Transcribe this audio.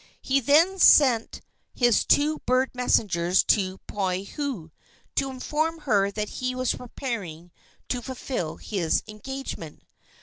He then sent his two bird messengers to Poliahu, to inform her that he was preparing to fulfil his engagement.